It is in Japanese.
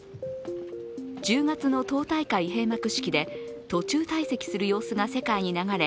１０月の党大会閉幕式で途中退席する様子が世界に流れ